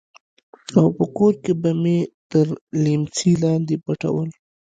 او په کور کښې به مې تر ليمڅي لاندې پټول.